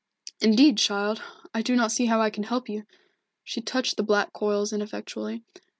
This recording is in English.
"Indeed, child, I do not see how I can help you." She touched the black coils ineffectually.